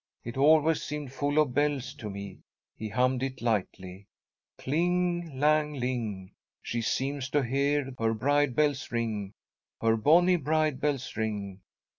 It always seemed full of bells to me." He hummed it lightly: "'Kling, lang ling, She seems to hear her bride bells ring, Her bonny bride bells ring.'